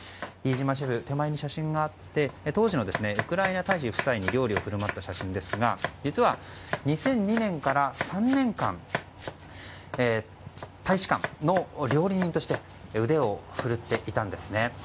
飯島シェフ、手前に写真があって当時のウクライナ大使夫妻に料理を振る舞った写真ですが実は２００２年から３年間大使館の料理人として腕を振るっていたんですね。